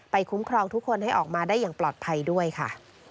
คุ้มครองทุกคนให้ออกมาได้อย่างปลอดภัยด้วยค่ะ